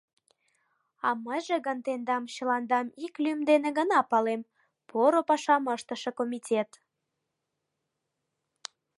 А мыйже гын тендам чыландам ик лӱм дене гына палем: поро пашам ыштыше комитет.